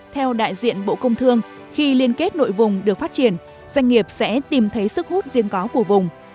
theo đại diện bộ công thương khi liên kết nội vùng được phát triển doanh nghiệp sẽ tìm thấy sức hút riêng có của vùng